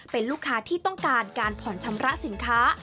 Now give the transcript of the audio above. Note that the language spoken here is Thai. เป็นลูกค้าที่ต้องการการผ่อนชำระสินค้า